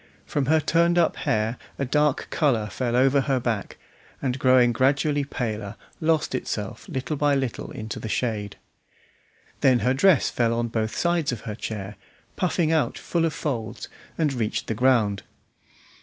From her turned up hair a dark colour fell over her back, and growing gradually paler, lost itself little by little in the shade. Then her dress fell on both sides of her chair, puffing out full of folds, and reached the ground.